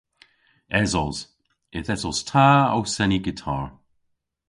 Esos. Yth esos ta ow seni gitar.